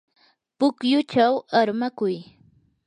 pukyuchaw armakuy.